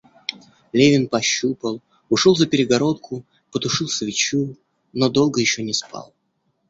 Левин пощупал, ушел за перегородку, потушил свечу, но долго еще не спал.